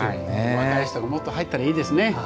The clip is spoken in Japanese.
若い人がもっと入ったらいいですね。